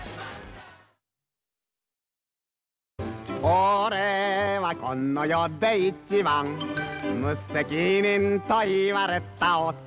「俺はこの世で一番無責任と言われた男」